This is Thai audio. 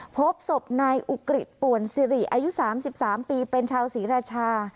พบศพนายอุกฤษป่วนสิริอายุ๓๓ปีเป็นชาวศรีราชา